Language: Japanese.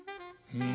うん。